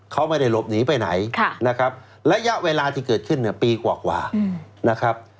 เขาไม่ได้หลบหนีไปไหนนะครับระยะเวลาที่เกิดขึ้นเนี่ยปีกว่านะครับ